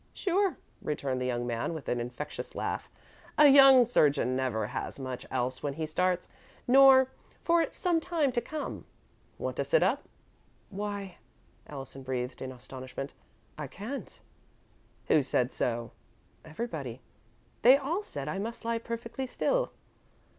"Sure," returned the young man, with an infectious laugh. "A young surgeon never has much else when he starts, nor for some time to come. Want to sit up?" "Why," Allison breathed, in astonishment, "I can't." "Who said so?" "Everybody. They all said I must lie perfectly still."